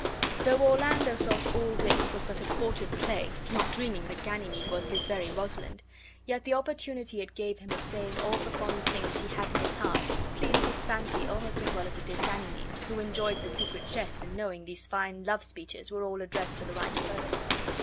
Though Orlando thought all this was but a sportive play (not dreaming that Ganymede was his very Rosalind), yet the opportunity it gave him of saying all the fond things he had in his heart pleased his fancy almost as well as it did Ganymede's, who enjoyed the secret jest in knowing these fine love speeches were all addressed to the right person.